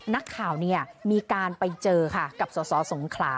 นักข่าวมีการไปเจอค่ะกับสสงขลา